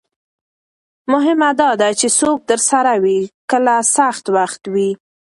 مهمه دا ده چې څوک درسره وي کله سخت وخت وي.